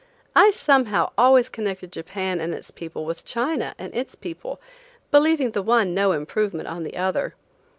I somehow always connected Japan and its people with China and its people, believing the one no improvement on the other.